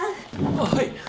ああはい！